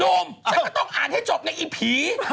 นุ่มนายก็ต้องอ่านให้จบนะไอ้ผี